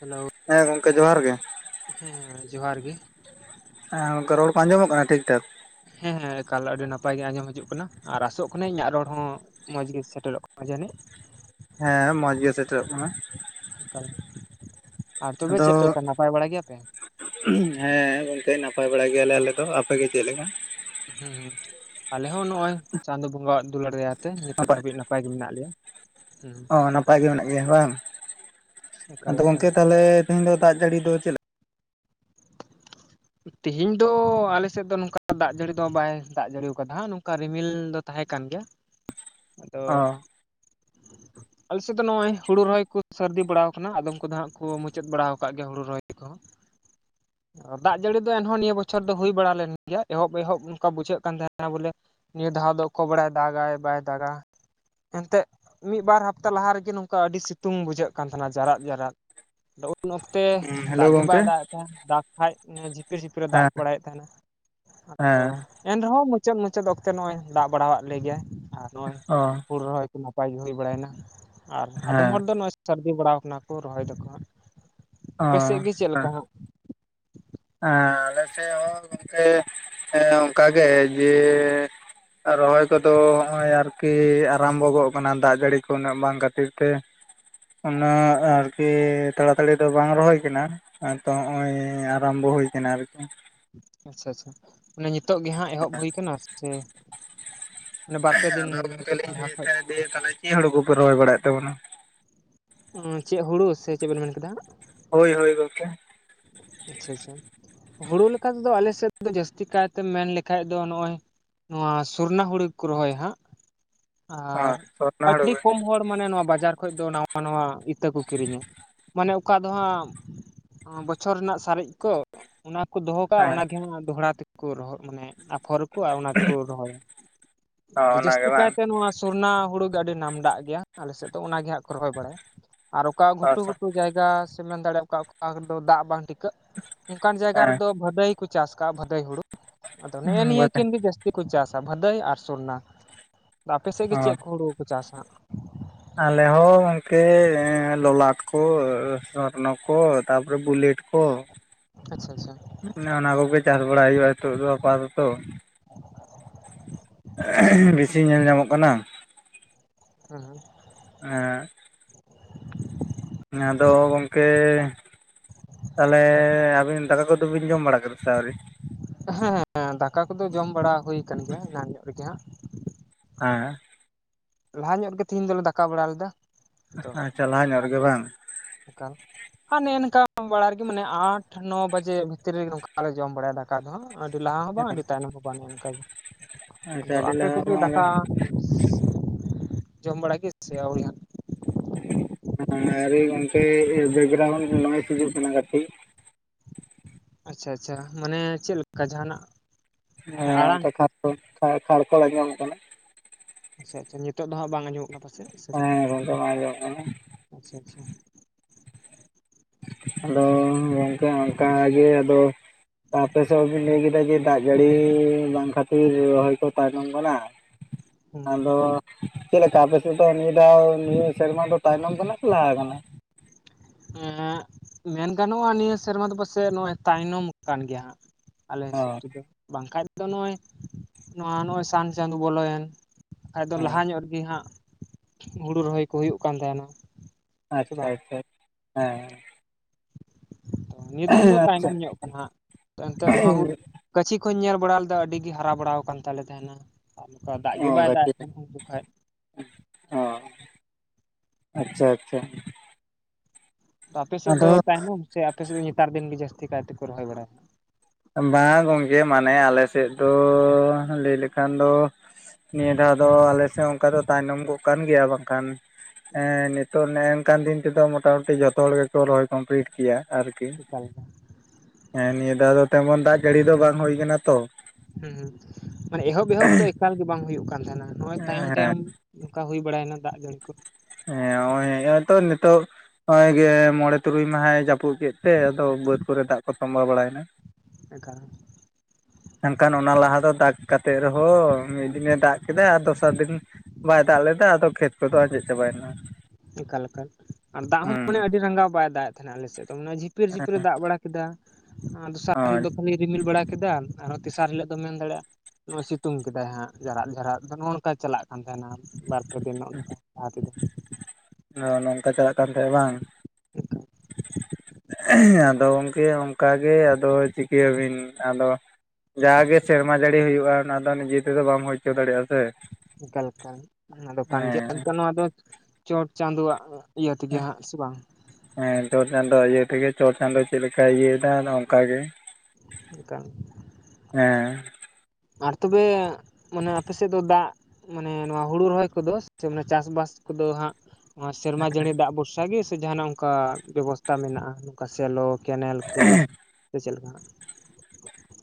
Hello ᱦᱮᱸ ᱜᱚᱝᱠᱮ ᱡᱚᱦᱟᱨ ᱜᱮ ᱾ ᱦᱮᱸ ᱡᱚᱦᱟᱨ ᱜᱮ ᱾ ᱦᱮᱸ ᱚᱱᱠᱟ ᱨᱚᱲ ᱠᱚ ᱟᱸᱡᱚᱢᱚᱜ ᱠᱟᱱᱟ ᱴᱷᱤᱠ ᱴᱷᱟᱠ? ᱦᱮᱸᱼᱦᱮᱸ ᱮᱠᱟᱞ ᱟᱹᱰᱤ ᱱᱟᱯᱟᱭ ᱜᱮ ᱟᱸᱡᱚᱢ ᱦᱤᱡᱩᱜ ᱠᱟᱱᱟ ᱟᱨ ᱟᱥᱚᱜ ᱠᱟᱱᱟᱹᱧ ᱤᱧᱟᱹᱜ ᱨᱚᱲ ᱦᱚᱸ ᱢᱚᱸᱡᱽ ᱜᱮ ᱥᱮᱴᱮᱨᱚᱜ ᱠᱟᱱᱟ ᱡᱟᱹᱱᱤᱡᱽ? ᱦᱮᱸ ᱢᱚᱸᱡᱽ ᱜᱮ ᱥᱮᱴᱮᱨᱚᱜ ᱠᱟᱱᱟ ᱾ ᱮᱠᱟᱞ ᱟᱨ ᱛᱚᱵᱮ ᱟᱫᱚ ᱪᱮᱫ ᱞᱮᱠᱟ ᱱᱟᱯᱟᱭ ᱵᱟᱲᱟ ᱜᱮᱭᱟ ᱯᱮ? ᱦᱮᱸ ᱜᱚᱝᱠᱮ ᱱᱟᱯᱟᱭ ᱵᱟᱲᱟ ᱜᱮᱭᱟᱞᱮ ᱟᱞᱮ ᱫᱚ ᱾ ᱟᱯᱮ ᱜᱮ ᱪᱮᱫ ᱞᱮᱠᱟ? ᱦᱮᱸ ᱦᱩᱸ, ᱟᱞᱮ ᱦᱚᱸ ᱱᱚᱜᱼᱚᱭ ᱪᱟᱸᱫᱚ ᱵᱚᱸᱜᱟᱣᱟᱜ ᱫᱩᱞᱟᱹᱲ ᱫᱟᱭᱟ ᱛᱮ ᱱᱤᱛᱚᱜ ᱫᱷᱟᱹᱵᱤᱡ ᱱᱟᱯᱟᱭ ᱜᱮ ᱢᱮᱱᱟᱜ ᱞᱮᱭᱟ ᱾ ᱚ ᱱᱟᱯᱟᱭ ᱜᱮ ᱢᱮᱱᱟᱜ ᱜᱮᱭᱟ ᱵᱟᱝ? ᱮᱠᱟᱞ ᱟᱫᱚ ᱮᱠᱟᱞ ᱜᱚᱝᱠᱮ ᱛᱟᱦᱚᱞᱮ ᱛᱮᱦᱮᱧ ᱫᱚ ᱫᱟᱜ ᱡᱟᱹᱲᱤ ᱫᱚ ᱪᱮᱫᱞᱮᱠ? ᱛᱮᱤᱦᱮᱧ ᱫᱚ ᱟᱞᱮ ᱥᱮᱫ ᱫᱚ ᱱᱚᱝᱠᱟ ᱫᱟᱜ ᱡᱟᱹᱲᱤ ᱫᱚ ᱵᱟᱭ ᱫᱟᱜ ᱡᱟᱹᱲᱤᱭᱟᱠᱟᱫᱟ ᱦᱟᱸᱜ ᱱᱚᱝᱠᱟ ᱨᱤᱢᱤᱞ ᱫᱚ ᱛᱟᱦᱮᱸ ᱠᱟᱱ ᱜᱮᱭᱟ ᱾ [unintelligible] ᱟᱫᱚ ᱚ ᱟᱞᱮᱥᱮᱫ ᱫᱚ ᱱᱚᱜ ᱚᱭ ᱦᱩᱲᱩ ᱨᱚᱦᱚᱭ ᱠᱚ ᱥᱟᱹᱨᱫᱤ ᱵᱟᱲᱟ ᱟᱠᱟᱱᱟ, ᱟᱫᱚᱢ ᱠᱚ ᱫᱚ ᱦᱟᱸᱜ ᱠᱚ ᱢᱩᱪᱟᱹᱫ ᱵᱟᱲᱟ ᱟᱠᱟᱫ ᱜᱮᱭᱟ ᱦᱩᱲᱩ ᱨᱚᱦᱚᱭ ᱠᱚ ᱦᱚᱸ ᱾ ᱫᱟᱜ ᱡᱟᱹᱲᱤ ᱫᱚ ᱮᱱᱦᱚᱸ ᱱᱤᱭᱟᱹ ᱵᱚᱪᱷᱚᱨ ᱫᱚ ᱦᱩᱭ ᱵᱟᱲᱟ ᱞᱮᱱ ᱜᱮᱭᱟ ᱮᱦᱚᱵ ᱮᱦᱚᱵ ᱱᱚᱝᱠᱟ ᱵᱩᱡᱷᱟᱹᱜ ᱠᱟᱱ ᱛᱟᱦᱮᱱᱟ ᱵᱳᱞᱮ ᱱᱤᱭᱟᱹ ᱫᱷᱟᱣ ᱫᱚ ᱚᱠᱚ ᱵᱟᱲᱟᱭ ᱫᱟᱜᱟᱭ ᱵᱟᱭ ᱫᱟᱜᱟ ᱮᱱᱛᱮᱜ ᱢᱤᱫ ᱵᱟᱨ ᱦᱟᱯᱛᱟ ᱞᱟᱦᱟ ᱨᱮᱜᱮ ᱱᱚᱝᱠᱟ ᱟᱹᱰᱤ ᱥᱤᱛᱩᱝ ᱵᱩᱡᱷᱟᱹᱜ ᱠᱟᱱ ᱛᱟᱦᱮᱱᱟ ᱡᱟᱨᱟᱫ ᱡᱟᱨᱟᱫ ᱾ ᱩᱱ ᱚᱠᱛᱮ ᱦᱩᱸ ᱦᱮᱞᱳ ᱫᱟᱜ ᱜᱮ ᱵᱟᱭ ᱜᱚᱝᱠᱮ ᱫᱟᱜ ᱮᱫᱟᱭ ᱫᱟᱜᱽ ᱠᱷᱟᱡ ᱡᱷᱤᱯᱤᱨ ᱡᱷᱤᱯᱤᱨ ᱮ ᱫᱟᱜ ᱦᱮᱸ ᱵᱟᱲᱟᱭᱮᱫ ᱛᱟᱦᱮᱱᱟ ᱟᱫᱚ ᱦᱮᱸ ᱮᱱᱨᱮᱦᱚᱸ ᱢᱩᱪᱟᱹᱫ ᱢᱩᱪᱟᱹᱫ ᱚᱠᱛᱮ ᱱᱚᱜᱼᱚᱭ ᱫᱟᱜ ᱵᱟᱲᱟᱣᱟᱫ ᱞᱮᱜᱮᱭᱟᱭ ᱟᱨ ᱱᱚᱜᱼᱚᱭ ᱚ ᱦᱩᱲᱩ ᱨᱚᱦᱚᱭ ᱱᱟᱯᱟᱭ ᱜᱮ ᱦᱩᱭ ᱵᱟᱲᱟᱭᱮᱱᱟ, ᱟᱨ ᱟᱫᱚᱢ ᱦᱮᱸ ᱦᱚᱲ ᱫᱚ ᱱᱚᱜᱼᱚᱭ ᱥᱟᱨᱫᱤ ᱵᱟᱲᱟᱣ ᱠᱟᱱᱟ ᱠᱚ ᱨᱚᱦᱚᱭ ᱫᱟᱠᱚ ᱦᱟᱸᱜ ᱾ ᱚ ᱟᱯᱮ ᱥᱮᱜ ᱜᱮ ᱪᱮᱜ ᱞᱮᱠᱟ ᱦᱟᱸᱜ? ᱮᱸ ᱟᱞᱮ ᱥᱮᱜ ᱦᱚᱸ ᱜᱚᱝᱠᱮ ᱮᱸ ᱚᱝᱠᱟ ᱜᱮ ᱡᱮ ᱨᱚᱦᱚᱭ ᱠᱚᱫᱚ ᱦᱚᱸᱜᱼᱚᱭ ᱟᱨᱠᱤ ᱟᱨᱟᱢᱵᱚ ᱜᱚᱜ ᱠᱟᱱᱟ, ᱫᱟᱜ ᱡᱟᱲᱤ ᱠᱚ ᱩᱱᱟᱹᱜ ᱵᱟᱝ ᱠᱷᱟᱛᱤᱨ ᱛᱮ ᱩᱱᱟᱹᱜ ᱟᱨᱠᱤ ᱛᱟᱲᱟ ᱛᱟᱲᱤ ᱫᱚ ᱵᱟᱝ ᱨᱚᱦᱚᱭ ᱠᱟᱱᱟ ᱟᱫᱚ ᱦᱚᱸᱜ ᱚᱭ ᱟᱨᱟᱢᱵᱚ ᱦᱩᱭ ᱠᱟᱱᱟ ᱟᱨᱠᱤ ᱾ ᱟᱪᱪᱷᱟ ᱟᱪᱪᱷᱟ ᱾ ᱚᱱᱮ ᱧᱤᱛᱚᱜ ᱜᱮ ᱦᱟᱸᱜ ᱮᱦᱚᱵ ᱦᱩᱭ ᱠᱟᱱᱟ ᱥᱮ ᱚᱱᱮ ᱵᱟᱨ-ᱯᱮ ᱫᱤᱱ ᱞᱟᱦᱟ ᱠᱷᱚᱡ ᱤᱭᱟᱹ ᱛᱟᱦᱚᱞᱮ ᱪᱮᱜ ᱦᱩᱲᱩ ᱠᱚᱯᱮ ᱨᱚᱦᱚᱭ ᱵᱟᱲᱟᱭᱮᱜ ᱛᱟᱵᱚᱱᱟ ᱾ ᱩᱸ ᱪᱮᱜ ᱦᱩᱲᱩ ᱥᱮ ᱪᱮᱜ ᱵᱮᱱ ᱢᱮᱱ ᱠᱮᱫᱟ ᱦᱟᱸᱜ ᱾ ᱦᱳᱭ ᱦᱳᱭ ᱜᱚᱝᱠᱮ ᱾ ᱟᱪᱪᱷᱟ ᱟᱪᱪᱷᱟ ᱦᱩᱲᱩ ᱞᱮᱠᱟ ᱛᱮᱫᱚ ᱟᱞᱮ ᱥᱮᱫ ᱫᱚ ᱡᱟᱹᱥᱛᱤ ᱠᱟᱭᱛᱮᱢ ᱢᱮᱱ ᱞᱮᱠᱟᱡ ᱫᱚ ᱱᱚᱜ-ᱚᱭ ᱱᱚᱣᱟ ᱥᱚᱨᱱᱟ ᱦᱩᱲᱩ ᱜᱮ ᱠᱚ ᱨᱚᱦᱚᱭᱟ ᱦᱟᱸᱜ ᱟᱨ ᱦᱚᱸ ᱥᱚᱨᱱᱚ ᱦᱩᱲᱩ ᱟᱹᱰᱤ ᱜᱮ ᱠᱚᱢ ᱦᱚᱲ ᱢᱟᱱᱮ ᱱᱚᱣᱟ ᱵᱟᱡᱟᱨ ᱠᱷᱚᱡ ᱫᱚ ᱱᱟᱣᱟ ᱱᱟᱣᱟ ᱤᱛᱟᱹ ᱠᱚ ᱠᱤᱨᱤᱧᱟ ᱢᱟᱱᱮ ᱚᱠᱟ ᱫᱚ ᱦᱟᱸᱢ ᱵᱚᱪᱷᱚᱨ ᱨᱮᱱᱟᱜ ᱥᱟᱨᱮᱡ ᱠᱚ ᱚᱱᱟ ᱠᱚ ᱫᱚᱦᱚ ᱠᱟᱜᱼᱟ ᱦᱮᱸ ᱚᱱᱟᱜᱮ ᱦᱟᱸᱜ ᱫᱚᱦᱲᱟ ᱛᱮᱠᱚ ᱨᱚᱦᱚ ᱢᱟᱱᱮ ᱟᱯᱷᱚᱨ ᱟᱠᱚ ᱟᱨ ᱚᱱᱟ ᱠᱚ ᱨᱚᱦᱚᱭᱟ ᱦᱚᱸ ᱟᱫᱚ ᱚᱱᱟᱜᱮ ᱡᱟᱹᱥᱛᱤ ᱠᱟᱭ ᱵᱟᱝ ᱛᱮ ᱱᱚᱣᱟ ᱥᱚᱨᱱᱟ ᱦᱩᱲᱩ ᱜᱮ ᱟᱹᱰᱤ ᱱᱟᱢᱰᱟᱜ ᱜᱮᱭᱟ ᱟᱞᱮ ᱥᱮᱫ ᱫᱚ ᱚᱱᱟ ᱜᱮ ᱦᱟᱸᱜ ᱠᱚ ᱨᱚᱦᱚᱭ ᱵᱟᱲᱟᱭᱟ ᱾ ᱟᱨ ᱚᱠᱟ ᱜᱷᱩᱴᱩ ᱜᱷᱩᱴᱩ ᱡᱟᱭᱜᱟ ᱥᱮᱴ ᱢᱮᱱ ᱫᱟᱲᱮᱜ ᱚᱠᱟ ᱚᱠᱟ ᱫᱚ ᱫᱟᱜ ᱵᱟᱝ ᱴᱤᱠᱟᱹᱜ ᱾ ᱚᱝᱠᱟᱱ ᱡᱟᱭᱜᱟ ᱦᱮᱸ ᱨᱮᱫᱚ ᱵᱷᱟᱹᱫᱟᱹᱭ ᱠᱚ ᱪᱟᱥ ᱠᱟᱜᱼᱟ ᱵᱷᱟᱹᱫᱟᱹᱭ ᱦᱩᱲᱩ ᱟᱫᱚ ᱱᱮᱜᱼᱮ ᱱᱤᱭᱟᱹ ᱠᱤᱱ ᱜᱮ ᱡᱟᱹᱥ ᱛᱤ ᱠᱚ ᱪᱟᱥᱟ ᱵᱷᱟᱹᱫᱟᱹᱭ ᱟᱨ ᱥᱚᱨᱱᱟ ᱟᱯᱮ ᱥᱮᱜ ᱜᱮ ᱦᱚᱸ ᱪᱮᱜ ᱠᱚ ᱦᱩᱲᱩ ᱠᱚ ᱪᱟᱥᱟ? ᱟᱞᱮ ᱦᱚᱸ ᱜᱚᱝᱠᱮ ᱞᱚᱞᱟᱴ ᱠᱚ ᱥᱚᱨᱱᱚ ᱠᱚ ᱛᱟᱯᱚᱨᱮ ᱵᱩᱞᱮᱴ ᱠᱚ ᱟᱪᱪᱷᱟ ᱟᱪᱪᱷᱟ ᱾ ᱚᱱᱮ ᱚᱱᱟ ᱠᱚᱜᱮ ᱪᱟᱥ ᱵᱟᱲᱟᱭ ᱦᱩᱭᱩᱜᱼᱟ ᱱᱤᱛᱚᱜ ᱫᱚ ᱟᱯᱟᱛᱚᱛᱚ ᱾ ᱟᱪᱪᱷᱟ ᱵᱤᱥᱤ ᱧᱮᱞ ᱧᱟᱢᱚᱜ ᱠᱟᱱᱟ ᱾ [unintelligible] ᱦᱮᱸ ᱟᱫᱚ ᱜᱚᱝᱠᱮ ᱛᱟᱦᱞᱮ ᱟᱵᱤᱱ ᱫᱟᱠᱟ ᱠᱚᱫᱚ ᱵᱤᱱ ᱡᱚᱢ ᱵᱟᱲᱟ ᱠᱮᱫᱟ ᱥᱮ ᱟᱹᱣᱨᱤ? ᱦᱮᱸ ᱦᱮᱸ ᱫᱟᱠᱟ ᱠᱚᱫᱚ ᱡᱚᱢ ᱵᱟᱲᱟ ᱦᱳᱭ ᱠᱟᱱ ᱜᱮᱭᱟ ᱮᱱᱟᱝ ᱧᱚᱜ ᱨᱮᱜᱮ ᱦᱟᱸᱜ ᱾ ᱮᱸ ᱞᱟᱦᱟ ᱧᱚᱜ ᱨᱮᱜᱮ ᱛᱤᱦᱤᱧ ᱫᱚᱞᱮ ᱫᱟᱠᱟ ᱵᱟᱲᱟ ᱞᱮᱫᱟ ᱛᱚ ᱟᱪᱪᱷᱟ ᱞᱟᱦᱟ ᱧᱚᱜ ᱨᱮᱜᱮ ᱵᱟᱝ? [inaudible] ᱱᱮᱜ -ᱮ ᱱᱮᱝᱠᱟ ᱵᱟᱲᱟ ᱨᱮᱜᱮ ᱢᱟᱱᱮ ᱟᱴ ᱱᱚ ᱵᱟᱡᱮ ᱵᱷᱤᱛᱤᱨ ᱨᱮᱜᱮ ᱱᱚᱝᱠᱟ ᱞᱮ ᱡᱚᱢ ᱵᱟᱲᱟᱭᱟ ᱫᱟᱠᱟ ᱫᱚ ᱦᱟᱸᱜ ᱾ ᱟᱹᱰᱤ ᱞᱟᱦᱟ ᱦᱚᱸ ᱵᱟᱝ ᱟᱹᱰᱤ ᱛᱟᱭᱱᱚᱢ ᱦᱚᱸ ᱵᱟᱝ ᱱᱮᱜ ᱮ ᱱᱮᱝᱠᱟ ᱜᱮ ᱟᱪᱪᱷᱟ ᱟᱫᱚ ᱟᱹᱰᱤ ᱟᱯᱮ ᱞᱟᱦᱟ ᱠᱚᱜᱮ ᱫᱟᱠᱟ ᱢᱟ ᱡᱚᱢ ᱵᱟᱲᱟ ᱜᱮ ᱥᱮ ᱟᱹᱣᱨᱤ ᱦᱟᱸᱜ ᱾ ᱦᱮᱸ ᱟᱹᱣᱨᱤ ᱜᱚᱝᱠᱮ ᱮ ᱵᱮᱠᱜᱨᱟᱣᱩᱱᱰ ᱱᱚᱭᱮᱥ ᱦᱤᱡᱩᱜ ᱠᱟᱱᱟ ᱠᱟᱹᱴᱤᱡ ᱾ ᱟᱪᱪᱷᱟ ᱟᱪᱪᱷᱟ ᱢᱟᱱᱮ ᱪᱮᱜ ᱞᱮᱠᱟ ᱡᱟᱦᱟᱸ ᱱᱟᱜ? ᱦᱮᱸ ᱚᱱᱠᱟ ᱠᱷᱟᱲ ᱠᱷᱚᱲ ᱠᱷᱟᱲ ᱠᱷᱚᱲ ᱟᱸᱡᱚᱢᱚᱜ ᱠᱟᱱᱟ ᱾ ᱟᱪᱪᱷᱟ ᱟᱪᱪᱷᱟ ᱧᱤᱛᱚᱜ ᱫᱚ ᱦᱟᱸᱜ ᱵᱟᱝ ᱟᱸᱡᱚᱢᱚᱜ ᱠᱟᱱᱟ ᱯᱟᱥᱮᱡ ᱥᱮ ᱪᱮᱫ ᱦᱮᱸ ᱜᱚᱝᱠᱮ ᱵᱟᱝ ᱟᱸᱡᱚᱢᱚᱜ ᱠᱟᱱᱟ ᱾ ᱟᱪᱪᱷᱟ ᱟᱪᱪᱷᱟ ᱾ ᱟᱫᱚ ᱜᱚᱝᱠᱮ ᱚᱱᱠᱟ ᱜᱮ ᱟᱫᱚ ᱟᱯᱮ ᱥᱮᱜ ᱦᱚᱸ ᱵᱤᱱ ᱞᱟᱹᱭ ᱠᱮᱫᱟ ᱡᱮ ᱫᱟᱜ ᱡᱟᱹᱲᱤ ᱵᱟᱝ ᱠᱷᱟᱹᱛᱤᱨ ᱨᱚᱦᱚᱭ ᱠᱚ ᱛᱟᱭᱱᱚᱢ ᱠᱟᱱᱟ᱾ ᱦᱩᱸ ᱟᱫᱚ ᱪᱮᱞᱠᱟ ᱟᱯᱮ ᱥᱮᱫ ᱫᱚ ᱱᱤᱭᱟᱹ ᱫᱷᱟᱣ ᱱᱤᱭᱟᱹ ᱥᱮᱨᱢᱟ ᱫᱚ ᱛᱟᱭᱱᱚᱢ ᱠᱟᱱᱟ ᱥᱮ ᱞᱟᱦᱟ ᱟᱠᱟᱱᱟ? ᱮᱸᱜ ᱢᱮᱱ ᱜᱟᱱᱚᱜᱼᱟ ᱱᱤᱭᱟᱹ ᱥᱮᱨᱢᱟ ᱫᱚ ᱯᱟᱥᱮᱡ ᱱᱚᱜᱼᱚᱭ ᱛᱟᱭᱱᱚᱢ ᱠᱟᱱ ᱜᱮᱭᱟ ᱦᱟᱸᱜ ᱾ ᱟᱞᱮ ᱚ ᱦᱤᱥᱟᱹᱵ ᱛᱮᱫᱚ ᱵᱟᱝᱠᱷᱟᱡ ᱫᱚ ᱱᱚᱜᱼᱚᱭ ᱱᱚᱣᱟ ᱱᱚᱜᱼᱚᱭ ᱥᱟᱱ ᱪᱟᱸᱫᱳ ᱵᱚᱞᱚᱭᱮᱱ ᱾ ᱟᱫᱚ ᱦᱮᱸ ᱞᱟᱦᱟ ᱧᱚᱜ ᱨᱤᱜᱤ ᱦᱟᱸᱜ ᱦᱩᱲᱩ ᱨᱚᱦᱚᱭ ᱠᱚ ᱦᱩᱭᱩᱜ ᱠᱟᱱ ᱛᱟᱦᱮᱱᱟ᱾ ᱥᱮ ᱟᱪᱪᱷᱟ ᱵᱟᱝ ᱟᱪᱪᱷᱟ ᱦᱮᱸ ᱾ ᱛᱚ ᱱᱤᱭᱟᱹ ᱫᱚᱢ ᱫᱚ ᱛᱟᱭᱱᱚᱢ ᱧᱚᱜ ᱠᱟᱱᱟ ᱦᱟᱸᱜ ᱛᱚ ᱮᱱᱛᱮ ᱱᱚᱣᱟ ᱦᱩᱜ ᱚ ᱜᱟᱹᱪᱷᱤ ᱠᱩᱧ ᱧᱮᱞ ᱵᱟᱲᱟ ᱞᱮᱫᱟ ᱟᱹᱰᱤ ᱜᱤ ᱦᱟᱨᱟ ᱵᱟᱲᱟᱣ ᱠᱟᱱ ᱛᱟᱞᱮ ᱛᱟᱦᱮᱸᱱᱟ᱾ [inaudible] ᱫᱟᱜ ᱜᱮ ᱵᱟᱭ ᱫᱟᱜ ᱜᱟᱛᱮ ᱮᱫ [inaudible] ᱚ ᱟᱪᱪᱷᱟ ᱟᱪᱪᱷᱟ᱾ ᱛᱚ ᱟᱯᱮ ᱥᱮᱜ ᱫᱚ ᱟᱫᱚ ᱛᱟᱭᱱᱚᱢ, ᱥᱮ ᱟᱯᱮ ᱥᱮᱜ ᱫᱚ ᱱᱤᱛᱟᱨ ᱫᱤᱱ ᱜᱮ ᱡᱟᱹᱥᱛᱤ ᱠᱟᱭ ᱛᱮᱠᱚ ᱨᱚᱦᱚᱭ ᱵᱟᱲᱟᱭᱟ? ᱵᱟᱝ ᱜᱚᱝᱠᱮ ᱢᱟᱱᱮ ᱟᱞᱮ ᱥᱮᱜ ᱫᱚ ᱞᱟᱹᱭ ᱞᱮᱠᱷᱟᱱ ᱫᱚ ᱱᱤᱭᱟᱹ ᱫᱷᱟᱣ ᱫᱚ ᱟᱞᱮ ᱥᱮᱜ ᱦᱚᱸ ᱚᱝᱠᱟ ᱫᱚ ᱛᱟᱭᱱᱚᱢ ᱠᱚᱜ ᱠᱟᱱ ᱜᱮᱭᱟ, ᱵᱟᱝᱠᱷᱟᱱ ᱮᱸ ᱱᱤᱛᱳᱜ ᱱᱮᱱᱠᱟᱱ ᱫᱤᱱ ᱛᱮᱫᱚ ᱢᱚᱴᱟ ᱢᱩᱴᱤ ᱡᱷᱚᱛᱚ ᱦᱚᱲ ᱜᱮᱠᱚ ᱨᱚᱦᱚᱭ ᱠᱚᱢᱯᱞᱤᱴ ᱠᱤᱭᱟ᱾ ᱟᱨᱠᱤ ᱮᱠᱟᱞ ᱮᱸ ᱱᱤᱭᱟᱹ ᱫᱷᱟᱣ ᱫᱚ ᱛᱮᱢᱚᱱ ᱫᱟᱜ ᱡᱟᱹᱲᱤ ᱫᱚ ᱵᱟᱝ ᱦᱳᱭ ᱠᱟᱱᱟ ᱛᱚ᱾ ᱦᱩᱸ ᱢᱟᱱᱮ ᱮᱦᱚᱵ ᱮᱦᱚᱵ ᱫᱚ ᱮᱠᱟᱞ ᱜᱮ ᱵᱟᱝ ᱦᱩᱭᱩᱜ ᱠᱟᱱ ᱛᱟᱸᱦᱮᱱᱟ, ᱱᱚᱜᱚᱭ ᱛᱟᱭᱚᱢ ᱛᱟᱭᱚᱢ ᱚᱝᱠᱟ ᱦᱩᱭ ᱵᱟᱲᱟᱭᱱᱟ ᱫᱟᱜ ᱡᱟᱹᱲᱤ ᱠᱚ᱾ ᱦᱮᱸ [unintelligible] ᱱᱤᱛᱳᱜ᱾ ᱦᱚᱭ ᱜᱮ ᱢᱚᱸᱬᱮ ᱛᱩᱨᱩᱭ ᱢᱟᱦᱟᱭ ᱡᱟᱹᱯᱩᱫ ᱠᱮᱜᱛᱮ ᱟᱫᱚ ᱵᱟᱹᱫᱽ ᱠᱚᱨᱮ ᱫᱟᱜ ᱠᱚ ᱛᱚᱢᱵᱟ ᱵᱟᱲᱟᱭ ᱮᱱᱟ᱾ [inaudible] ᱮᱱᱠᱷᱟᱱ ᱚᱱᱟ ᱞᱟᱦᱟ ᱫᱚ ᱫᱟᱜ ᱠᱟᱛᱮᱜ ᱨᱮᱦᱚᱸ ᱢᱤᱫ ᱫᱤᱱᱮ ᱫᱟᱜ ᱠᱮᱫᱟ, ᱟᱨ ᱫᱚᱥᱟᱨ ᱫᱤᱱ ᱵᱟᱭ ᱫᱟᱜ ᱞᱮᱫᱟ ᱟᱫᱚ ᱠᱷᱮᱛ ᱠᱚᱫᱚ ᱟᱸᱡᱮᱫ ᱪᱵᱟᱭ ᱮᱱᱟ᱾ ᱮᱠᱟ ᱞᱮᱠᱟ ᱟᱨ ᱫᱟᱜ ᱦᱚᱸ ᱢᱟᱱᱮ ᱟᱹᱰᱤ ᱨᱟᱸᱜᱟᱣ ᱵᱟᱭ ᱫᱟᱜᱮᱫ ᱛᱟᱦᱮᱸᱱᱟ ᱟᱞᱮ ᱥᱮᱫ ᱫᱚ [inaudible] ᱡᱷᱤᱯᱤᱨ ᱡᱷᱤᱯᱤ ᱨᱮ ᱫᱟᱜ ᱵᱟᱲᱟ ᱠᱮᱫᱟ ᱟᱨ ᱫᱚᱥᱟᱨ ᱦᱤᱞᱳᱜ ᱦᱳᱭ ᱫᱚ ᱠᱷᱟᱹᱞᱤ ᱨᱤᱢᱤᱞ ᱵᱟᱲᱟ ᱠᱮᱫᱟ ᱟᱨᱦᱚᱸ ᱛᱮᱥᱟᱨ ᱦᱤᱞᱳᱜ ᱫᱚᱢ ᱢᱮᱱ ᱫᱟᱲᱮᱜ-ᱟ [inaudible] ᱥᱤᱛᱩᱝ ᱠᱮᱫᱟᱭ ᱦᱟᱸᱜ ᱡᱟᱨᱟᱜ ᱡᱟᱨᱟᱫ ᱟᱫᱚ ᱱᱚᱜᱚ ᱱᱚᱝᱠᱟ ᱪᱟᱞᱟᱜ ᱠᱟᱱ ᱛᱟᱦᱮᱱᱟ ᱵᱟᱨ ᱯᱮ ᱫᱤᱱ [inaudible] ᱚ ᱱᱚᱝᱠᱟ ᱪᱟᱞᱟᱜ ᱠᱟᱱ ᱛᱟᱦᱮᱸᱜ ᱵᱟᱝ᱾ [unintelligible] ᱟᱫᱚ ᱜᱚᱝᱠᱮ ᱚᱝᱠᱟ ᱜᱮ ᱟᱫᱚ ᱪᱤᱠᱟᱹᱭᱟᱵᱤᱱ ᱟᱫᱚ ᱡᱟᱜᱮ ᱥᱮᱨᱢᱟ ᱡᱟᱹᱲᱤ ᱦᱩᱭᱩᱜ-ᱟ ᱚᱱᱟ ᱫᱚ ᱱᱤᱡᱮ ᱛᱮᱫᱚ ᱵᱟᱢ ᱦᱳᱭ ᱦᱚᱪᱚ ᱫᱟᱲᱮᱜ-ᱟ ᱥᱮ᱾ ᱮᱠᱟᱞ ᱮᱠᱟᱞ ᱚᱱᱟ ᱫᱚ ᱠᱟᱱ ᱜᱮᱭᱟ ᱦᱮᱸ [inaudible] ᱱᱚᱣᱟ ᱫᱚ ᱪᱚᱴ ᱪᱟᱸᱫᱳᱣᱟᱜ ᱤᱭᱟᱹ ᱛᱤᱜᱮ ᱦᱟᱸᱜ ᱦᱮᱸᱥᱮ ᱵᱟᱝ᱾ ᱦᱮᱸ ᱪᱚᱴ ᱪᱟᱸᱫᱳ ᱤᱭᱟᱹ ᱛᱮᱜᱮ ᱪᱚᱴ ᱪᱟᱸᱫᱳ ᱪᱮᱫ ᱞᱮᱠᱟᱭ ᱤᱭᱟᱹᱭ ᱫᱟ ᱟᱫᱚ ᱚᱝᱠᱟ ᱜᱮ᱾ [inaudible] ᱦᱮᱸ᱾ ᱟᱨ ᱛᱚᱵᱮ ᱢᱟᱱᱮ ᱟᱯᱮ ᱥᱮᱜ ᱫᱚ ᱫᱟᱜ ᱢᱟᱱᱮ ᱱᱚᱣᱟ ᱦᱩᱲᱩ ᱨᱚᱦᱚᱭ ᱠᱚᱫᱚ ᱥᱮ ᱢᱟᱱᱮ ᱪᱟᱥ ᱵᱟᱥ ᱠᱚᱫᱚ ᱦᱟᱸᱜ ᱱᱚᱣᱟ ᱥᱮᱨᱢᱟ ᱡᱟᱹᱲᱤ ᱫᱟᱜ ᱵᱷᱚᱨᱥᱟ ᱜᱮ, ᱥᱮ ᱡᱟᱦᱟᱱᱟᱜ ᱚᱝᱠᱟ ᱵᱮᱵᱚᱥᱛᱟ ᱢᱮᱱᱟᱜ-ᱟ, ᱚᱝᱠᱟ ᱥᱮᱞᱚ ᱠᱮᱱᱮᱞ ᱠᱩ ᱥᱮ ᱪᱮᱫ ᱞᱮᱠᱟ?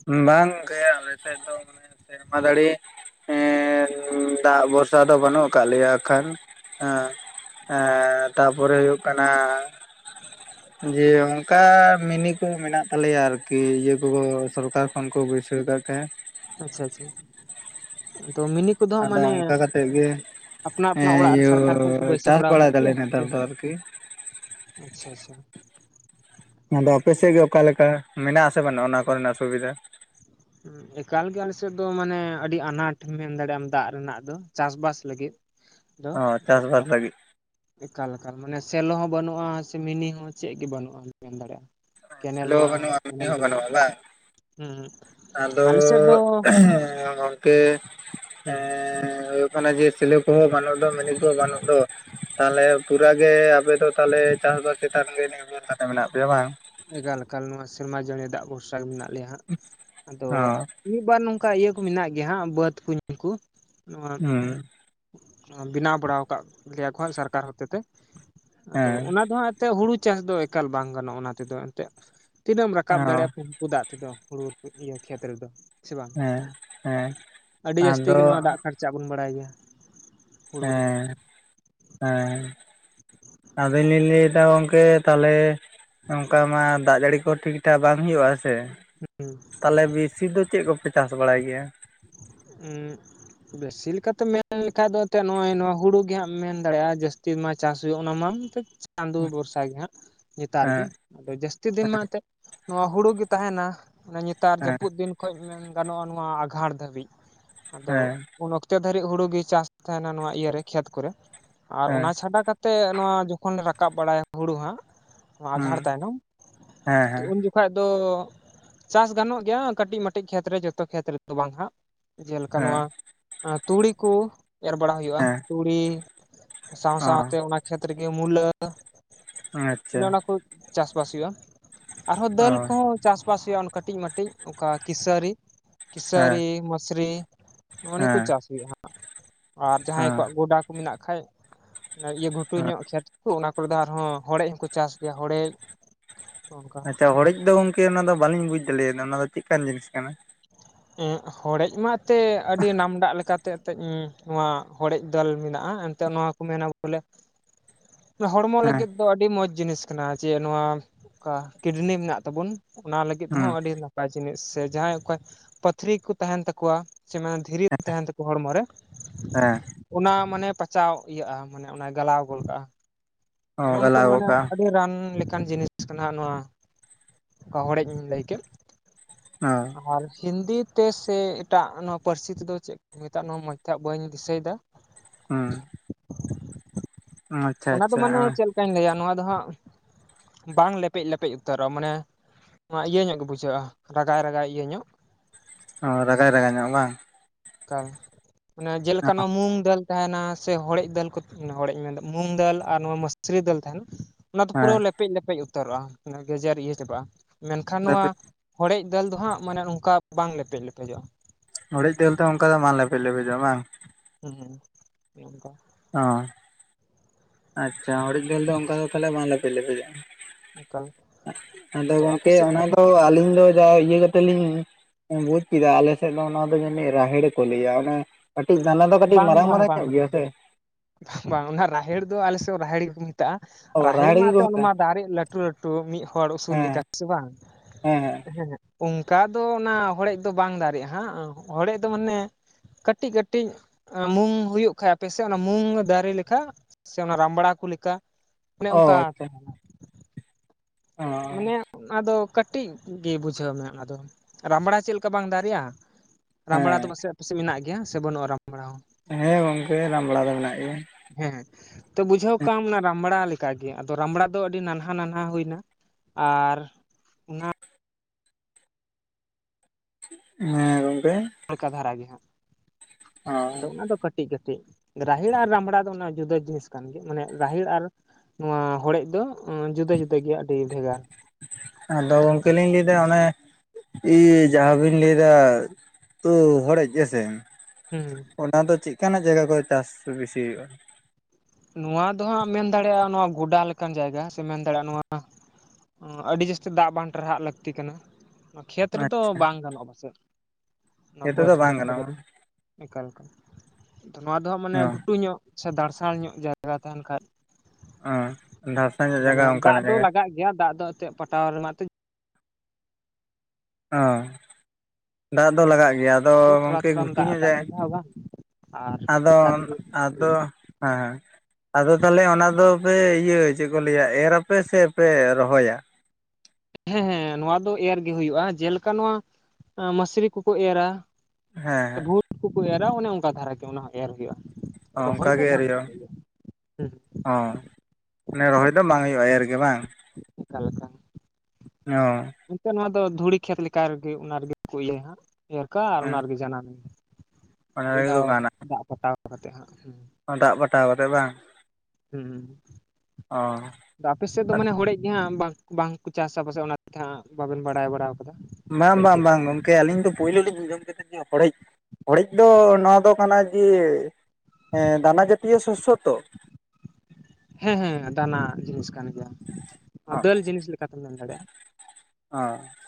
ᱵᱟᱝ [inaudible] ᱥᱮᱨᱢᱟ ᱫᱟᱲᱤ ᱦᱮᱸ ᱫᱟᱜ ᱵᱷᱚᱨᱥᱟ ᱫᱚ ᱵᱟᱹᱱᱩᱜ ᱠᱟᱜ ᱞᱮᱭᱟ ᱦᱟᱠᱷᱟᱱ ᱦᱮᱸ᱾ ᱮᱸ ᱛᱟᱯᱚᱨᱮ ᱦᱳᱭᱳᱜ ᱠᱟᱱᱟ ᱡᱮ ᱚᱝᱠᱟ ᱢᱤᱱᱤ ᱠᱚ ᱢᱤᱱᱟᱜ ᱛᱟᱞᱮᱭ-ᱟ ᱟᱨᱠᱤ, ᱤᱭᱟᱹ ᱠᱚ ᱥᱚᱨᱠᱟᱨ ᱠᱷᱚᱱ ᱠᱚ ᱵᱟᱹᱭᱥᱟᱹᱣ ᱠᱟᱜ ᱛᱟᱦᱮᱸᱫ᱾ ᱟᱪᱪᱷᱟ ᱟᱪᱪᱷᱟ ᱛᱚ ᱢᱤᱱᱤ ᱠᱚᱫᱚ ᱦᱟᱸᱜ ᱟᱫᱚ ᱢᱟᱱᱮ ᱚᱱᱠᱟ ᱠᱟᱛᱮᱜ ᱜᱮ ᱟᱯᱱᱟ ᱟᱯᱱᱟ ᱦᱮᱸ ᱚᱲᱟᱜ ᱨᱮ ᱤᱭᱟᱹ ᱥᱟᱨᱠᱟᱨ ᱠᱷᱚᱡ ᱠᱚ ᱵᱟᱹᱭᱥᱟᱹᱣ ᱪᱟᱥ ᱵᱟᱲᱟᱣ ᱵᱟᱲᱟᱭ ᱠᱟᱜ ᱫᱟᱞᱮ ᱯᱮᱭᱟ, ᱥᱮ ᱱᱮᱛᱟᱨ ᱫᱚ ᱟᱨᱠᱤ ᱟᱪᱪᱷᱟ ᱟᱪᱪᱷᱟ᱾ ᱟᱫᱚ ᱟᱯᱮ ᱥᱮᱜ ᱜᱮ ᱚᱠᱟᱞᱮᱠᱟ, ᱢᱮᱱᱟᱜ-ᱟ ᱥᱮ ᱵᱟᱹᱱᱩᱜᱼᱟ ᱚᱱᱟ ᱠᱚᱨᱮᱱᱟᱜ ᱥᱩᱵᱤᱫᱟ? ᱮᱠᱟᱞᱜᱮ ᱟᱞᱮ ᱥᱮᱫ ᱫᱚ ᱢᱟᱱᱮ ᱟᱹᱰᱤ ᱟᱱᱟᱴ ᱢᱮᱱ ᱫᱟᱲᱮᱜᱟᱢ ᱫᱟᱜ ᱨᱮᱱᱟᱜ ᱫᱚ ᱪᱟᱥ ᱵᱟᱥ ᱞᱟᱹᱜᱤᱫ ᱾ ᱚ ᱪᱟᱥ ᱵᱟᱥ ᱞᱟᱹᱜᱤᱫ? ᱮᱠᱟᱞ ᱮᱠᱟᱞ ᱢᱟᱱᱮ ᱥᱮᱞᱚ ᱦᱚᱸ ᱵᱟᱹᱱᱩᱜ-ᱟ, ᱥᱮ ᱢᱤᱱᱤ ᱦᱚᱸ ᱪᱮᱜ ᱜᱮ ᱵᱟᱹᱱᱩᱜ-ᱟ [inaudible] ᱥᱮᱞᱳ ᱦᱚᱸ ᱵᱟᱹᱱᱩᱜ-ᱟ ᱢᱤᱱᱤ ᱦᱚᱸ ᱵᱟᱹᱱᱩᱜ-ᱟ ᱵᱟᱝ? ᱦᱩᱸ ᱟᱫᱚ ᱟᱞᱮ ᱥᱮᱫ ᱫᱚ ᱜᱚᱝᱠᱮ ᱦᱩᱸ ᱮᱸ ᱦᱳᱭᱳᱜ ᱚᱱᱟ ᱡᱮ ᱥᱤᱞᱳ ᱠᱚᱦᱚᱸ ᱵᱟᱹᱱᱩᱜ ᱫᱚ ᱢᱤᱱᱤ ᱠᱚᱦᱚᱸ ᱵᱟᱹᱱᱩᱜ ᱫᱚ᱾ ᱛᱟᱦᱞᱮ ᱯᱩᱨᱟᱜᱮ ᱟᱯᱮ ᱫᱚ ᱛᱟᱦᱞᱮ ᱪᱟᱥᱵᱟᱥ ᱪᱮᱛᱟᱱ ᱜᱮ ᱱᱤᱨᱵᱷᱚᱨ ᱠᱟᱛᱮ ᱢᱮᱱᱟᱜ ᱯᱮᱭᱟ ᱵᱟᱝ? ᱮᱠᱟᱞ ᱮᱠᱟᱞ ᱱᱚᱣᱟ ᱥᱮᱨᱢᱟ ᱡᱟᱹᱲᱤ ᱫᱟᱜ ᱵᱷᱚᱨᱥᱟ ᱜᱮ ᱢᱮᱱᱟᱜ ᱞᱮᱭᱟ ᱦᱟᱸᱜ, ᱟᱫᱚ ᱚ ᱢᱤᱫᱵᱟᱨ ᱱᱚᱝᱠᱟ ᱤᱭᱟᱹ ᱠᱚ ᱢᱮᱱᱟᱜ ᱜᱮᱭᱟ ᱦᱟᱸᱜ ᱵᱟᱹᱫ ᱠᱩᱧ ᱩᱱᱠᱩ ᱱᱚᱣᱟ ᱦᱩᱸ ᱵᱮᱱᱟᱣ ᱵᱟᱲᱟᱣ ᱠᱟᱜ ᱞᱮᱭᱟ ᱠᱚ ᱦᱟᱸᱜ ᱥᱟᱨᱠᱟᱨ ᱦᱚᱛᱮᱛᱮ᱾ ᱟᱫᱚ ᱦᱮᱸ ᱚᱱᱟ ᱫᱚ ᱦᱟᱸᱜ ᱛᱮ ᱦᱩᱲᱩ ᱪᱟᱥ ᱫᱚ ᱮᱠᱟᱞ ᱵᱟᱝ ᱜᱟᱱᱚᱜ-ᱟ ᱚᱱᱟ ᱛᱮᱫᱚ ᱮᱱᱛᱮᱜ᱾ ᱛᱤᱱᱟᱹᱢ ᱨᱟᱠᱟᱵ ᱫᱟᱲᱨᱜ-ᱟ ᱚ [unintelligible] ᱫᱟᱜ᱾ ᱛᱮᱫᱚ ᱦᱩᱲᱩ ᱤᱭᱟᱹ ᱠᱷᱮᱛ ᱨᱮᱫᱚ, ᱥᱮ ᱵᱟᱝ? ᱦᱮᱸ ᱦᱮᱸ ᱟᱹᱰᱤ ᱡᱟᱹᱥᱛᱤ ᱜᱮ ᱟᱫᱚ ᱱᱚᱣᱟ ᱫᱟᱜ ᱠᱷᱟᱨ ᱪᱟᱜ ᱵᱚᱱ ᱵᱟᱲᱟᱭ ᱜᱮᱭᱟ᱾ ᱦᱩᱲᱩ ᱨᱮᱫᱚ ᱦᱮᱸ ᱦᱮᱸ᱾ ᱟᱫᱚ ᱞᱤᱧ ᱞᱮᱭᱫᱟ ᱜᱚᱝᱠᱮ ᱛᱟᱦᱞᱮ ᱚᱝᱠᱟ ᱢᱟ ᱫᱟᱜ ᱡᱟᱹᱲᱤ ᱠᱚᱦᱚᱸ ᱴᱷᱤᱠᱴᱷᱟᱠ ᱵᱟᱝ ᱦᱳᱭᱳᱜ-ᱟ, ᱦᱮᱸ ᱥᱮ᱾ ᱦᱩᱸ᱾ ᱛᱟᱞᱦᱮ ᱵᱤᱥᱤ ᱫᱚ ᱪᱮᱜ ᱠᱚᱯᱮ ᱪᱟᱥ ᱵᱟᱲᱟᱭ ᱜᱮᱭᱟ? ᱩᱸᱜ ᱵᱮᱥᱤ ᱞᱮᱠᱟᱛᱮᱢ ᱢᱮᱱ ᱞᱮᱠᱷᱟᱡ ᱫᱚ ᱮᱛᱮᱜ ᱱᱚᱜ-ᱚᱭ ᱱᱚᱣᱟ ᱦᱩᱲᱩ ᱜᱮ ᱦᱟᱸᱜ ᱮᱢ ᱢᱮᱱ ᱫᱟᱲᱮᱜ-ᱟ ᱡᱟᱹᱥᱛᱤ ᱢᱟ ᱪᱟᱥ ᱦᱩᱭᱩᱜ-ᱟ ᱚᱱᱟ ᱢᱟ ᱪᱟᱸᱫᱩ ᱵᱷᱚᱨᱥᱟ ᱜᱮ ᱦᱟᱸᱜ ᱱᱮᱛᱟᱨ ᱦᱮᱸ ᱜᱮ᱾ ᱟᱫᱚ ᱡᱟᱹᱥᱛᱤ ᱫᱤᱱ ᱢᱟ ᱮᱱᱛᱮᱜ ᱱᱚᱣᱟ ᱦᱩᱲᱩ ᱜᱮ ᱛᱟᱦᱮᱱᱟ ᱚᱱᱮ ᱧᱮᱛᱟᱨ ᱦᱮᱸ ᱡᱟᱹᱯᱩᱫ ᱫᱤᱱ ᱠᱷᱚᱡ ᱢᱮᱱ ᱜᱟᱱᱚᱜ-ᱟ ᱱᱚᱣᱟ ᱟᱜᱷᱟᱲ ᱫᱷᱟᱹᱵᱤᱡ᱾ ᱟᱫᱚ ᱦᱮᱸ ᱩᱱ ᱚᱠᱛᱮ ᱫᱷᱟᱹᱨᱤᱡ ᱦᱩᱲᱩ ᱜᱮ ᱪᱟᱥ ᱛᱟᱦᱮᱱᱟ ᱱᱚᱣᱟ ᱤᱭᱟᱹᱨᱮ ᱠᱷᱮᱛ ᱠᱚᱨᱮ᱾ ᱟᱨ ᱦᱮᱸ ᱚᱱᱟ ᱪᱷᱟᱰᱟ ᱠᱟᱛᱮᱜ, ᱱᱚᱣᱟ ᱡᱚᱠᱷᱚᱱ ᱞᱮ ᱨᱟᱠᱟᱵ ᱵᱟᱲᱟᱭᱟ ᱦᱩᱲᱩ ᱦᱟᱸᱜ᱾ ᱱᱚᱣᱟ ᱦᱩᱸ ᱟᱜᱷᱟᱲ ᱛᱟᱭᱱᱚ᱾ ᱦᱮᱸ ᱛᱚ ᱦᱮᱸ ᱩᱱ ᱡᱚᱠᱷ ᱵᱟᱠᱷᱟᱡ ᱫᱚ ᱪᱟᱥ ᱜᱟᱱᱚᱜ ᱜᱮᱭᱟ, ᱠᱟᱹᱴᱤᱡ ᱢᱟᱹᱴᱤᱡ ᱠᱷᱮᱛ ᱨᱮ ᱡᱷᱚᱛᱚ ᱠᱷᱮᱛ ᱨᱮᱫᱚ ᱵᱟᱝ ᱦᱟᱸᱜ᱾ ᱡᱮᱞᱠᱟ ᱦᱮᱸ ᱱᱚᱣᱟ ᱟᱸ ᱛᱩᱲᱤ ᱠᱚ ᱮᱨ ᱵᱟᱲᱟ ᱦᱩᱭᱩᱜ-ᱟ, ᱦᱮᱸ ᱛᱩᱲᱤ ᱥᱟᱶ ᱥᱟᱶᱛᱮ ᱚ ᱚᱱᱟ ᱠᱷᱮᱛ ᱨᱮᱜᱮ ᱢᱩᱞᱟᱹ᱾ ᱚᱱᱮ ᱟᱪᱪᱷᱟ ᱚᱱᱟ ᱠᱚ ᱪᱟᱥᱵᱟᱥ ᱦᱩᱭᱩᱜᱼᱟ᱾ ᱟᱨᱦᱚᱸ ᱚ ᱫᱟᱹᱞ ᱠᱚᱦᱚᱸ ᱪᱟᱥᱵᱟᱥ ᱦᱩᱭᱩᱜ-ᱟ ᱟᱱᱟ ᱠᱟᱹᱴᱤᱡ ᱢᱟᱹᱴᱤ᱾ ᱴᱤᱡ ᱚᱠᱟ ᱠᱤᱥᱟᱹᱨᱤ, ᱦᱮᱸ ᱠᱤᱥᱟᱹᱨᱤ, ᱢᱟᱹᱥᱨᱤ ᱱᱚᱜᱼᱚ ᱱᱤᱭᱟᱹ ᱠᱚ ᱦᱮᱸ ᱪᱟᱥ ᱦᱩᱭᱩᱜ-ᱟ ᱦᱟᱸᱜ ᱾ ᱟᱨ ᱚ ᱡᱟᱦᱟᱸᱭ ᱠᱚᱣᱟᱜ ᱜᱚᱰᱟ ᱠᱚ ᱢᱮᱱᱟᱜ ᱠᱷᱟᱡ, ᱢᱟᱱᱮ ᱤᱭᱟᱹ ᱜᱷᱩᱴᱩ ᱦᱮᱸ ᱧᱚᱜ ᱠᱷᱮᱛ᱾ ᱚᱱᱟ ᱠᱚᱨᱮ ᱫᱚ ᱟᱨᱦᱚᱸ ᱦᱚᱲᱮᱡ ᱦᱚᱸᱠᱚ ᱪᱟᱥ ᱜᱮᱭᱟ, ᱦᱚᱲᱮᱡ ᱛᱟ ᱚᱱᱠᱟ᱾ ᱟᱪᱪᱷᱟ ᱦᱚᱲᱮᱡ ᱫᱚ ᱜᱚᱝᱠᱮ ᱚᱱᱟ ᱫᱚ ᱵᱟᱞᱤᱧ ᱵᱩᱡ ᱫᱟᱲᱮᱭᱟᱫᱟ ᱚᱱᱟ ᱫᱚ ᱪᱮᱫᱠᱟᱱ ᱡᱤᱱᱤᱥ ᱠᱟᱱᱟ? ᱮᱸᱜ ᱦᱚᱲᱮᱡ ᱢᱟ ᱮᱛᱮ ᱟᱹᱰᱤ ᱱᱟᱢᱰᱟᱜ ᱞᱮᱠᱟ ᱛᱮᱜ ᱮᱛᱮᱜ ᱤᱧ ᱱᱚᱣᱟ ᱦᱚᱲᱮᱡ ᱫᱟᱹᱞ ᱢᱮᱱᱟᱜ-ᱟ ᱮᱱᱛᱮᱜ ᱱᱚᱣᱟ ᱠᱚ ᱢᱮᱱᱟ ᱵᱚᱞᱮ ᱦᱚᱲᱢᱚ ᱦᱮᱸ ᱞᱟᱹᱜᱤᱫ ᱫᱚ ᱟᱹᱰᱤ ᱢᱚᱸᱡᱽ ᱡᱤᱱᱤᱥ ᱠᱟᱱᱟ, ᱡᱮ ᱱᱚᱣᱟ ᱚᱱᱠᱟ ᱠᱤᱰᱱᱤ ᱢᱮᱱᱟᱜ ᱛᱟᱵᱚᱱ᱾ ᱚᱱᱟ ᱞᱟᱹᱜᱤᱫ ᱦᱩᱸ ᱦᱚᱸ ᱟᱹᱰᱤ ᱱᱟᱯᱟᱭ ᱡᱤᱱᱤᱥ᱾ ᱥᱮ ᱡᱟᱦᱟᱸᱭ ᱚᱠᱚᱭ ᱯᱟᱹᱛᱷᱨᱤ ᱠᱚ ᱛᱟᱦᱮᱱ ᱛᱟᱠᱚᱣᱟ [unintelligible] ᱫᱷᱤᱨᱤ ᱛᱟᱦᱮᱸᱱ ᱛᱟᱠᱚ ᱦᱚᱲᱢᱚ ᱨᱮ᱾ ᱦᱮᱸ ᱚᱱᱟ ᱢᱟᱱᱮ ᱯᱟᱪᱟᱣ ᱤᱭᱟᱹᱜ-ᱟ, ᱢᱟᱱᱮ ᱚᱱᱟᱭ ᱜᱟᱞᱟᱣ ᱜᱚᱞ ᱠᱟᱜ-ᱟ᱾ ᱚ ᱜᱟᱞᱟᱣ ᱱᱚ-ᱚᱱᱠᱟᱱ ᱜᱚᱜ ᱢᱟᱱᱮ ᱠᱟᱜᱼᱟ ᱨᱟᱱ ᱞᱮᱠᱟᱱ ᱡᱤᱱᱤᱥ ᱠᱟᱱᱟ, ᱱᱚᱣᱟ ᱦᱚᱲᱮᱡ ᱤᱧ ᱞᱟᱹᱭ ᱠᱮᱫ᱾ ᱚ᱾ ᱟᱨ ᱦᱤᱱᱫᱤ ᱛᱮ ᱥᱮ ᱮᱴᱟᱜ ᱱᱚᱣᱟ ᱯᱟᱹᱨᱥᱤ ᱛᱮᱫᱚ ᱪᱮᱜ ᱠᱚ ᱢᱮᱛᱟᱜ-ᱟ ᱱᱚᱣᱟ ᱢᱚᱡᱽ ᱛᱮ ᱦᱟᱸᱜ ᱵᱟᱹᱧ ᱫᱤᱥᱟᱹᱭᱫᱟ᱾ ᱦᱩᱸ᱾ ᱟᱪᱪᱷᱟ ᱚᱱᱟ ᱫᱚ ᱢᱟᱱᱮ ᱟᱪᱪᱷᱟ ᱪᱮᱞ ᱞᱮᱠᱟᱧ ᱞᱟᱹᱭᱟ, ᱱᱚᱣᱟ ᱫᱚ ᱦᱟᱸᱜ ᱵᱟᱝ ᱞᱮᱯᱮᱡ ᱞᱮᱯᱮᱡ ᱩᱛᱟᱹᱨᱚᱜ-ᱟ ᱢᱟᱱᱮ ᱱᱚᱣᱟ ᱤᱭᱟᱹ ᱧᱚᱜ ᱜᱮ ᱵᱩᱡᱷᱟᱹᱜ-ᱟ, ᱨᱟᱜᱟᱭ ᱨᱟᱜᱟᱭ ᱤᱭᱟᱹ ᱧᱚᱜ᱾ ᱚ ᱨᱟᱜᱟᱭ ᱨᱟᱜᱟᱭ ᱧᱚᱜ ᱵᱟᱝ? ᱚᱱᱠᱟ᱾ ᱢᱟᱱᱮ ᱡᱮᱞᱮᱠᱟ ᱱᱚᱣᱟ ᱢᱩᱝ ᱰᱟᱞ᱾ ᱛᱟᱦᱮᱱᱟ ᱥᱮ ᱦᱚᱲᱮᱡ ᱫᱟᱹᱞ ᱠᱚ ᱦᱚᱲᱮᱡ ᱤᱧ ᱢᱮᱱᱫᱟ ᱢᱩᱝ ᱫᱟᱹᱞ ᱟᱨ ᱱᱚᱣᱟ ᱢᱥᱨᱤ ᱫᱞ ᱛᱟᱦᱮᱱᱟ᱾ ᱚᱱᱟ ᱫᱚ ᱯᱩᱨᱟᱹ ᱦᱮᱸ ᱞᱮᱯᱮᱡ ᱞᱮᱯᱮᱡ ᱩᱛᱟᱹᱨᱚᱜ-ᱟ, ᱢᱟᱱᱮ ᱜᱮᱡᱮᱨ ᱤᱭᱟᱹ ᱪᱟᱵᱟᱜ-ᱟ᱾ ᱢᱮᱱᱠᱷᱟᱱ ᱱᱚᱣᱟ ᱦᱚᱲᱮᱡ ᱫᱟᱹᱞ ᱫᱚ ᱦᱟᱸᱜ ᱢᱟᱱᱮ ᱱᱚᱝᱠᱟ ᱵᱟᱝ ᱞᱮᱯᱮᱡ ᱞᱮᱯᱮᱡᱚᱜᱼᱟ᱾ ᱚᱲᱮᱡ ᱫᱟᱹᱞᱛᱮ ᱚᱱᱠᱟ ᱫᱚ ᱵᱟᱝᱞᱮᱯᱮ ᱞᱮᱯᱮᱡᱜᱟ ᱵᱟᱝ᱾ ᱩᱦᱩᱜ ᱚᱱᱠᱟ ᱾ ᱚ᱾ ᱟᱪᱪᱷᱟ ᱚᱲᱮᱡ ᱫᱟᱹᱞ ᱫᱚ ᱚᱱᱠᱟ ᱫᱚ ᱛᱟᱦᱚᱞᱮ ᱵᱟᱝᱞᱯᱮ ᱞᱮᱯᱷᱮᱡ ᱚᱱᱠᱟ ᱞᱮᱯᱷᱮᱡᱚᱜᱼᱟ᱾ ᱟᱫᱚ ᱛᱚ ᱟᱯᱮ ᱜᱚᱝᱠᱮ ᱥᱮᱫ ᱚᱱᱟ ᱫᱚ ᱟᱞᱤᱧ ᱫᱚ ᱡᱟ ᱤᱭᱟᱹ ᱚᱱᱟ ᱛᱮᱞᱤᱧ ᱵᱩᱡᱽ ᱠᱮᱫᱟ ᱟᱞᱮ ᱥᱮᱫ ᱫᱚ ᱚᱱᱟ ᱫᱚ ᱡᱟᱹᱱᱤᱡ ᱨᱟᱦᱮᱲ ᱠᱚ ᱞᱟᱹᱭᱟ ᱚᱱᱮ ᱠᱟᱹᱴᱤᱡ ᱫᱟᱱᱟ ᱫᱚ ᱠᱟᱹᱴᱤᱡ ᱵᱟᱝ ᱢᱟᱨᱟᱝ ᱵᱟᱝ ᱢᱟᱨᱟᱝ ᱧᱚᱜ ᱜᱮᱭᱟ ᱥᱮ᱾ ᱵᱟᱝ ᱵᱟᱝ ᱚᱱᱟ ᱨᱟᱦᱮᱲ ᱫᱚ ᱟᱞᱮ ᱥᱮᱫ ᱨᱟᱦᱮᱲ ᱜᱮᱠᱚ ᱢᱮᱛᱟᱜᱼᱟ ᱚ ᱨᱟᱦᱮᱲ ᱢᱟ ᱮᱱᱛᱮᱫ ᱜᱮᱠᱚ ᱢᱮᱛᱟᱜᱼᱟ ᱚᱱᱟ ᱫᱟᱨᱮ ᱞᱟᱹᱴᱩ ᱞᱟᱹᱴᱩ ᱞᱟᱹᱴᱩ ᱢᱤᱫ ᱦᱚᱲ ᱩᱥᱩᱞ ᱞᱮᱠᱟ ᱦᱮᱸ ᱥᱮ ᱵᱟᱝ᱾ ᱦᱮᱸ ᱦᱮᱸ᱾ ᱦᱮᱸ ᱦᱮᱸ ᱚᱱᱠᱟ ᱫᱚ ᱚᱱᱟ ᱦᱚᱲᱮᱡ ᱫᱚ ᱵᱟᱝ ᱫᱟᱨᱮᱜᱼᱟ ᱦᱟᱸᱜ ᱦᱚᱲᱮᱡ ᱫᱚ ᱢᱟᱱᱮ ᱠᱟᱹᱴᱤᱡ ᱠᱟᱹᱴᱤ ᱴᱤᱡ ᱢᱩᱝ ᱦᱩᱭᱩᱜ ᱠᱷᱟ ᱟᱯᱮᱥᱮᱫ ᱚᱱᱟ ᱢᱩᱝ ᱫᱟᱨᱮ ᱞᱮᱠᱟ ᱥᱮ ᱚᱱᱟ ᱨᱟᱢᱵᱲᱟ ᱠᱚ ᱞᱮᱠᱟ᱾ ᱚᱱᱮ ᱚ ᱚᱱᱠᱟ ᱟᱪᱪᱷᱟ᱾ ᱚ ᱢᱟᱱᱮ ᱚᱱᱟᱫᱚ ᱠᱟᱹᱴᱤᱡ ᱜᱮ ᱵᱩᱡᱷᱟᱹᱣ ᱢᱮ ᱚᱱᱟᱫᱚ ᱨᱟᱢᱲᱟ ᱪᱮᱫ ᱞᱮᱠᱟ ᱵᱟᱝ ᱫᱟᱨᱮᱼᱟ᱾ ᱨᱟᱢᱵᱲᱟ ᱫᱚ ᱦᱮᱸ ᱟᱯᱟᱥᱮᱡ ᱢᱮᱱᱟᱜ ᱜᱮᱭᱟ ᱥᱮ ᱵᱟᱹᱱᱩᱜᱼᱟ ᱨᱟᱢᱵᱲᱟ ᱦᱚᱸ᱾ ᱦᱮᱸ ᱜᱚᱝᱠᱮ ᱨᱟᱢᱵᱲᱟ ᱫᱚ ᱢᱮᱱᱟᱜ ᱜᱮᱭᱟ᱾ ᱦᱮᱸ ᱛᱚ ᱵᱩᱡᱷᱟᱹᱣ ᱠᱟᱜ ᱟᱢ ᱨᱟᱢᱲᱟ ᱞᱮᱠᱟᱜᱮ ᱟᱫᱚ ᱨᱟᱢᱲᱟ ᱫᱚ ᱟᱹᱰᱤ ᱱᱟᱱᱦᱟ ᱱᱟᱱᱦᱟ ᱦᱩᱭᱱᱟ᱾ ᱟᱨ ᱚᱱᱟ ᱦᱮᱸ ᱜᱚᱝᱠᱮ᱾ ᱦᱟᱞᱠᱟ ᱫᱷᱟᱨᱟ ᱜᱮ ᱦᱟᱸᱜ ᱚ ᱟᱫᱚ ᱚᱱᱟ ᱫᱚ ᱠᱟᱹᱴ ᱠᱟᱹᱴᱤᱡ ᱠᱟᱹᱴᱤᱡ ᱨᱟᱦᱮᱲ ᱟᱨ ᱨᱟᱢᱲᱟ ᱫᱚ ᱚᱱᱟ ᱡᱩᱫᱟᱹ ᱡᱤᱱᱤᱥ ᱠᱟᱱ ᱜᱮᱭᱟ ᱢᱟᱱᱮ ᱨᱟᱦᱮᱲ ᱟᱨ ᱱᱚᱣᱟ ᱦᱚᱲᱮᱡ ᱫᱚ ᱡᱩᱫᱟᱹ ᱡᱩᱫᱟᱹᱜ ᱜᱮ ᱟᱹᱰᱤ ᱵᱷᱮᱜᱟᱨ᱾ ᱟᱫᱚ ᱜᱚᱢᱠᱮ ᱞᱤᱧ ᱞᱟᱹᱭᱫᱟ ᱚᱱᱮ ᱤ ᱡᱟᱦᱟᱸ ᱡᱟᱣᱜᱮᱧ ᱞᱟᱹᱭ ᱮᱫᱟ ᱛᱩ ᱦᱚᱲᱮᱡ ᱜᱮᱥᱮ? ᱦᱮᱸ᱾ ᱚᱱᱟ ᱫᱚ ᱪᱮᱫ ᱞᱮᱠᱟᱱᱟᱜ ᱡᱟᱭᱜᱟ ᱠᱚᱨᱮ ᱪᱟᱥ ᱵᱮᱥᱤ ᱦᱩᱭᱩᱜᱼᱟ? ᱱᱚᱣᱟ ᱫᱚ ᱦᱟᱸᱜ ᱢᱮᱱ ᱫᱟᱲᱮᱭᱟᱜᱼᱟ ᱱᱚᱣᱟ ᱜᱚᱰᱟ ᱞᱮᱠᱟᱱ ᱡᱟᱭᱜᱟ ᱥᱮᱢ ᱢᱮᱱ ᱫᱟᱲᱮᱭᱟᱜ ᱱᱚᱣᱟ ᱟᱹᱰᱤ ᱡᱟᱹᱥᱛᱤ ᱫᱟᱜ ᱵᱟᱝ ᱴᱮᱨᱦᱟᱜ ᱞᱟᱹᱠᱛᱤ ᱠᱟᱱᱟ ᱠᱷᱮᱛ ᱚᱱᱟ ᱨᱮᱫᱚ ᱵᱟᱝ ᱜᱟᱱᱚᱜᱼᱟ ᱯᱟᱥᱮᱡ᱾ ᱚᱱᱟ ᱠᱷᱮᱛ ᱵᱟᱹᱫᱽ ᱨᱮᱫᱚ ᱵᱟᱝ ᱠᱚᱨᱮ ᱜᱟᱱᱚᱜᱼᱟ ᱫᱚ ᱵᱟᱝ? ᱮᱠᱟᱞ ᱮᱠᱟᱞ ᱱᱚᱣᱟ ᱫᱚ ᱦᱟᱸᱜ ᱢᱟᱱᱮ ᱜᱷᱩᱴᱩ ᱧᱚᱜ ᱥᱮ ᱫᱟᱨᱥᱟᱲ ᱧᱚᱜ ᱡᱟᱭᱜᱟ ᱛᱟᱦᱮᱱ ᱠᱷᱟᱡ᱾ ᱟ ᱫᱷᱟᱥ ᱢᱟᱱᱮ ᱫᱟᱜ ᱫᱚ ᱞᱟᱜᱟᱜ ᱜᱮᱭᱟ ᱫᱟᱜ ᱫᱚ ᱚᱛᱮᱫ ᱯᱟᱴᱟᱣᱢᱟᱛᱩ᱾ ᱚ ᱫᱟᱜ ᱫᱚ ᱞᱟᱜᱟᱜ ᱜᱮᱭᱟ᱾ ᱟᱫᱚ ᱛᱷᱚᱲᱟ ᱜᱚᱢᱠᱮ ᱛᱷᱚᱲᱟᱢ ᱜᱷᱩᱴᱩ ᱫᱟᱜ ᱟᱫᱟ ᱧᱚᱜᱡᱟᱭ ᱢᱤᱫ ᱫᱷᱟᱣ ᱵᱟᱝ ᱟᱨ ᱟᱫᱚ ᱚᱱᱠᱟ ᱛᱮᱜᱮ ᱟᱫᱚ ᱦᱮᱸ᱾ ᱟᱫᱚ ᱛᱟᱦᱚᱞᱮ ᱚᱱᱟ ᱫᱚ ᱯᱮ ᱤᱭᱟᱹ ᱪᱮᱫ ᱠᱚ ᱞᱟᱹᱭᱟ ᱮᱨᱟᱯᱮ ᱥᱮ ᱯᱮ ᱨᱚᱦᱚᱭᱟ᱾ ᱦᱮᱸ ᱦᱮᱸ ᱱᱚᱣᱟ ᱫᱚ ᱮᱨ ᱜᱮ ᱦᱩᱭᱩᱜᱼᱟ ᱡᱮᱞᱮᱠᱟ ᱱᱚᱣᱟ ᱢᱟᱥᱨᱤ ᱠᱚᱠᱚ ᱮᱨᱟ᱾ ᱦᱮᱸ ᱥᱮ ᱦᱮᱸ ᱵᱷᱩᱴ ᱠᱚᱠᱚ ᱮᱨᱟ ᱚᱱᱮ ᱚᱱᱠᱟ ᱫᱷᱟᱨᱟ ᱜᱮ ᱚᱱᱟ ᱦᱚᱸ ᱮᱨ ᱦᱩᱭᱩᱜᱼᱟ᱾ ᱨᱚᱦᱚᱭ ᱚᱱᱠᱟ ᱫᱚ ᱜᱮ ᱮᱨ ᱵᱟᱝ ᱦᱩᱭᱩᱜᱼᱟ ᱦᱸ ᱚ ᱚᱱᱮ ᱨᱚᱦᱚᱭ ᱫᱚ ᱵᱟᱝ ᱦᱩᱭᱩᱜᱼᱟ ᱮᱨ ᱜᱮ ᱵᱟᱝ᱾ ᱮᱠᱟᱞ ᱮᱠᱟᱞ᱾ ᱚᱻ ᱚᱱᱛᱮ ᱱᱚᱣᱟ ᱫᱚ ᱫᱷᱩᱲᱤ ᱠᱷᱮᱛ ᱞᱮᱠᱟ ᱨᱮᱜᱮ ᱚᱱᱟ ᱨᱮᱜᱮ ᱠᱚ ᱤᱭᱟᱹᱭᱟ ᱦᱟᱸᱜ ᱮᱨᱠᱟᱜ ᱟᱨ ᱚᱱᱟ ᱨᱮᱜᱮ ᱡᱟᱱᱟᱢ᱾ ᱚᱱᱟ ᱢᱤᱫ ᱨᱮᱜᱮ ᱠᱚ ᱫᱷᱟᱣ ᱫᱟᱜ ᱯᱟᱴᱟᱣ ᱠᱟᱛᱮᱜ ᱦᱟᱸᱜ ᱦᱩᱸ᱾ ᱟᱸᱫᱟᱜ ᱵᱟᱴᱟᱣ ᱠᱟᱛᱮᱜ ᱵᱟᱝ? ᱦᱩᱸ ᱚ ᱟᱫᱚ ᱟᱯᱮᱥᱮᱜ ᱫᱚ ᱢᱟᱱᱮ ᱦᱚᱲᱮᱡ ᱜᱮ ᱦᱟᱸᱜ ᱵᱟᱝ ᱵᱟᱝᱠᱚ ᱪᱟᱥᱟ ᱯᱟᱥᱮᱜ ᱚᱱᱟ ᱛᱮᱜᱮ ᱦᱟᱸᱜ ᱵᱟᱵᱮᱱ ᱵᱟᱲᱟᱭ ᱵᱟᱲᱟᱣ ᱠᱟᱫᱟ᱾ ᱵᱟᱝ ᱵᱟᱝ ᱵᱟᱝ ᱜᱚᱝ ᱠᱮ ᱟᱹᱞᱤᱧ ᱫᱚ ᱯᱩᱭᱞᱩ ᱞᱤᱧ ᱟᱸᱡᱚᱢ ᱠᱮᱫᱟ ᱡᱮ ᱦᱚᱲᱮᱡ, ᱦᱚᱲᱮᱡ ᱫᱚ ᱱᱚᱣᱟ ᱫᱚ ᱠᱟᱱᱟ ᱡᱮ ᱮᱸ ᱫᱟᱱᱟ ᱡᱟᱛᱤᱭᱚ ᱥᱚᱥᱥᱚ ᱛᱚ? ᱦᱮᱸ ᱦᱮᱸ ᱫᱟᱱᱟ ᱡᱤᱱᱤᱥ ᱠᱟᱱ ᱜᱮᱭᱟ, ᱚ ᱫᱟᱹᱞ ᱡᱤᱱᱤᱥ ᱞᱮᱠᱟᱛᱮᱢ ᱢᱮᱱ ᱫᱟᱲᱮᱜᱼᱟ᱾ ᱚ